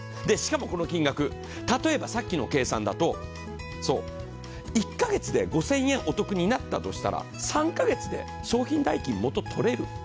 でしかもこの金額例えばさっきの計算だとそう１カ月で５０００円お得になったとしたら３カ月で商品代金元とれる。